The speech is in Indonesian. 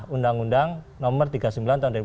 undang undang nomor tiga puluh sembilan tahun dua ribu dua